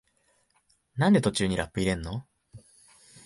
なんで途中にラップ入れんの？